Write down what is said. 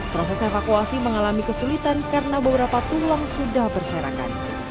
proses evakuasi mengalami kesulitan karena beberapa tulang sudah berserakan